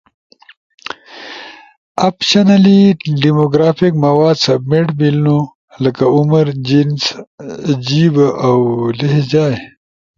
اپشنلی ڈیموگرافک مواد سبمیٹ بیلنو[لکہ عمر، جنس، جیب، اؤ لہجہ]۔